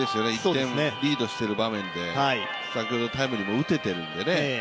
１点リードしている場面で、先ほどタイムリーも打ててるんでね。